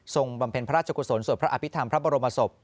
บำเพ็ญพระราชกุศลสวดพระอภิษฐรรมพระบรมศพ